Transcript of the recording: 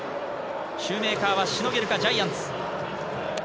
シューメーカーはしのげるか、ジャイアンツ。